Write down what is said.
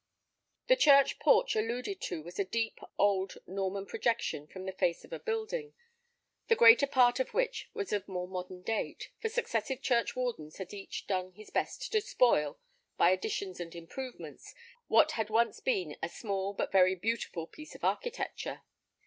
The church porch alluded to was a deep, old Norman projection from the face of a building, the greater part of which was of more modern date; for successive church wardens had each done his best to spoil, by additions and improvements, what had once been a small but very beautiful piece of architecture.